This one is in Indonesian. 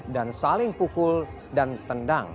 dan saling pukul dan tendang